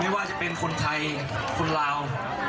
ว่าจะเป็นคนไทยคนลาว